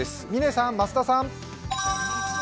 嶺さん、増田さん。